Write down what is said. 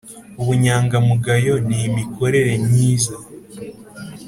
Ubunyangamugayo n imikorere nyiza